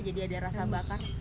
jadi ada rasa bakar